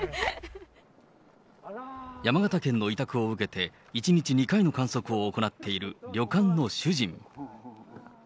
山形県の委託を受けて、１日２回の観測を行っている旅館の主人。